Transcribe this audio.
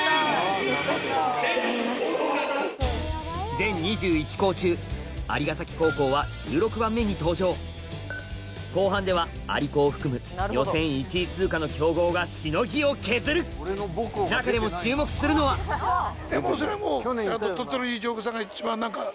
全２１校中蟻ヶ崎高校は１６番目に登場後半では蟻高を含む予選１位通過の強豪がしのぎを削る中でも注目するのはやっぱりそりゃもう。と思います。